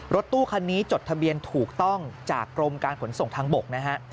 รถตู้คันนี้จดทะเบียนถูกต้องจากกรมการขนส่งทางบกนะฮะ